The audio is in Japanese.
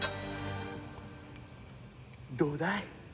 どうだい？